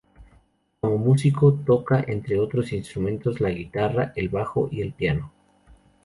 Como músico, toca entre otros instrumentos, la guitarra, el bajo y el piano.